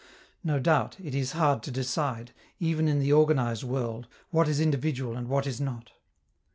No doubt, it is hard to decide, even in the organized world, what is individual and what is not.